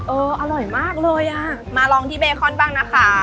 อร่อยมากเลยอ่ะมาลองที่เบคอนบ้างนะคะ